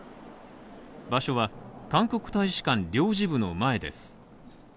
場所は韓国大使館領事部の前です。